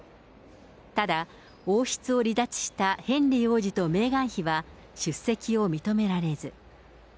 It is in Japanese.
ただ、王室を離脱したヘンリー王子とメーガン妃は出席を認められず。